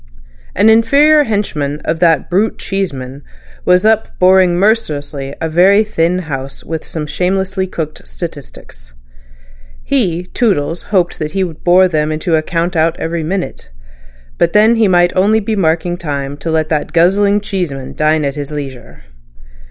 An inferior henchman of "that brute Cheeseman" was up boring mercilessly a very thin House with some shamelessly cooked statistics. He, Toodles, hoped he would bore them into a count out every minute. But then he might be only marking time to let that guzzling Cheeseman dine at his leisure.